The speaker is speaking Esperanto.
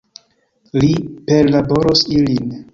Li perlaboros ilin.